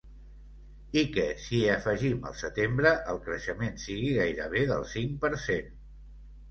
I que, si hi afegim el setembre, el creixement sigui gairebé del cinc per cent.